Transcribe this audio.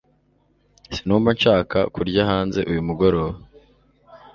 sinumva nshaka kurya hanze uyu mugoroba